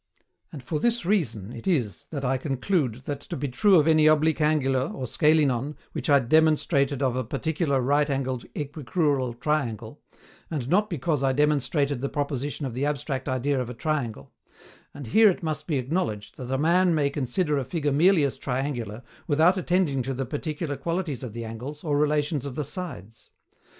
And for this reason it is that I conclude that to be true of any obliquangular or scalenon which I had demonstrated of a particular right angled equicrural triangle, and not because I demonstrated the proposition of the abstract idea of a triangle And here it must be acknowledged that a man may consider a figure merely as triangular, without attending to the particular qualities of the angles, or relations of the sides.